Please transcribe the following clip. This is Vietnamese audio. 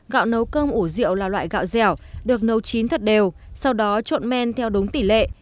gạo nấu cơm ủ rượu là loại gạo dẻo được nấu chín thật đều sau đó trộn men theo đúng tỷ lệ